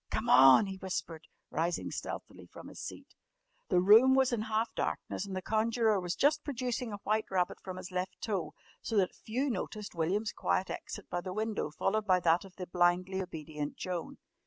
"Come on!" he whispered, rising stealthily from his seat. The room was in half darkness and the conjurer was just producing a white rabbit from his left toe, so that few noticed William's quiet exit by the window followed by that of the blindly obedient Joan.